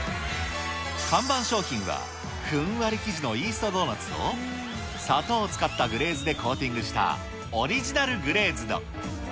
看板商品は、ふんわり生地のイーストドーナツと砂糖を使ったグレーズでコーティングした、オリジナル・グレーズド。